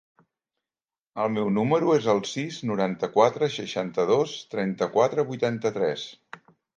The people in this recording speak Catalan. El meu número es el sis, noranta-quatre, seixanta-dos, trenta-quatre, vuitanta-tres.